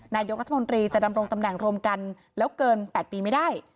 นายกรัฐมนตรีจะดำรงตำแหน่งรวมกันแล้วเกิน๘ปีไม่ได้